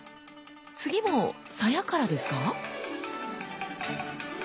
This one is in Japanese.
次も鞘からですか？